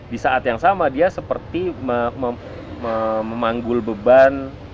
di saat yang sama dia seperti memanggul beban